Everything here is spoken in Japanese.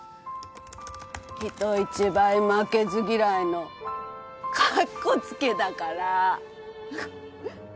人一倍負けず嫌いのかっこつけだから。